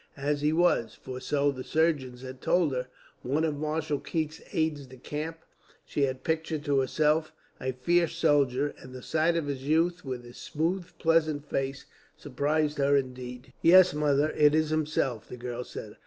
As he was, for so the surgeons had told her, one of Marshal Keith's aides de camp, she had pictured to herself a fierce soldier; and the sight of this youth, with his smooth pleasant face, surprised her, indeed. "Yes, mother, it is himself," the girl said.